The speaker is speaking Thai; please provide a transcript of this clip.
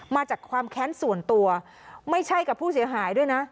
มาจากความแค้นส่วนตัวไม่ใช่กับผู้เสียหายด้วยนะ